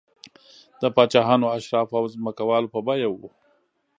د پاچاهانو، اشرافو او ځمکوالو په بیه و